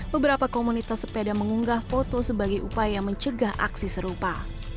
beberapa komunitas sepeda mengunggah foto sebagai upaya mencegah aksi serupa